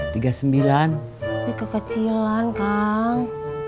tapi kekecilan kang